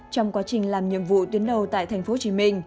trong quá trình làm nhiệm vụ tuyến đầu tại tp hcm